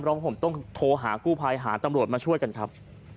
ผมต้องโทรหากู้ภัยหาตำรวจมาช่วยกันครับ